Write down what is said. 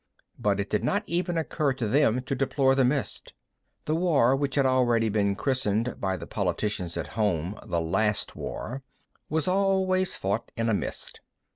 But it did not even occur to them to deplore the mist. The war which had already been christened, by the politicians at home, the last war, was always fought in a mist.